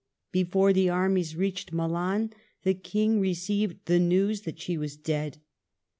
Before the armies reached Milan the King received the news that she was dead.